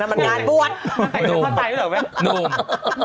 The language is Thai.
น้ำมันใส่ผ้าไตด้วยหรอแม่